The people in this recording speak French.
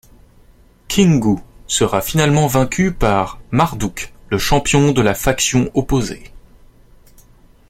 Kingu sera finalement vaincu par Mardouk le champion de la faction opposée.